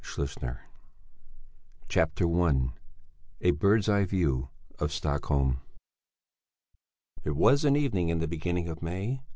EPILOGUE 324 CHAPTER I A BIRD'S EYE VIEW OF STOCKHOLM It was an evening in the beginning of May.